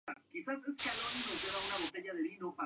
Y luchó para aprender a leer y escribir.